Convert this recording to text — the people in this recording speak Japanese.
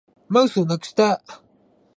マウスをなくした